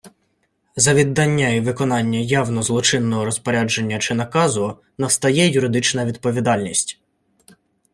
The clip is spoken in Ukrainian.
За віддання і виконання явно злочинного розпорядження чи наказу настає юридична відповідальність